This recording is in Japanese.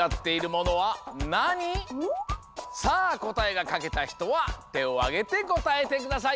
さあこたえがかけたひとはてをあげてこたえてください。